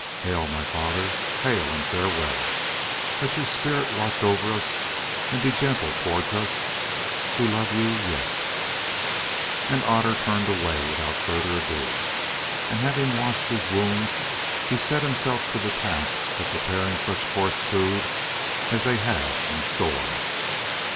Hail, my father! Hail and farewell! Let your spirit watch over us and be gentle towards us, who love you yet." And Otter turned away without further ado; and having washed his wounds, he set himself to the task of preparing such coarse food as they had in store.